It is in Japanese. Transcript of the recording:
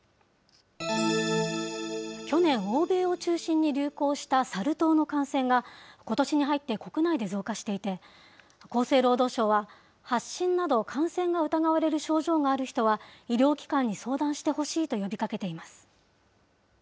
去年、欧米を中心に流行したサル痘の感染がことしに入って国内で増加していて、厚生労働省は、発疹など感染が疑われる症状がある人は、医療機関に相談してほしいと呼びかけています。